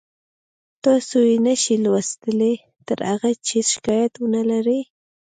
تاسو یې نشئ لوستلی تر هغه چې شکایت ونلرئ